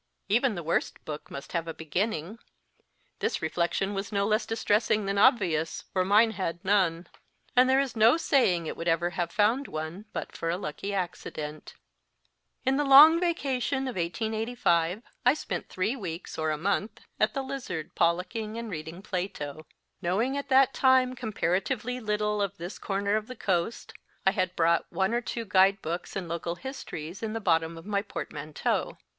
Even the worst book must have a beginning this reflection was no less distressing than obvious, for mine had none. And there is no saying it would ever have found one but for a lucky accident. In the Long Vacation of 1885 I spent three weeks or a month at the Lizard pollacking and reading Plato. Knowing at that time comparatively little of this corner of the coast, I had brought one or two guide books and local histories in the bottom of my portmanteau.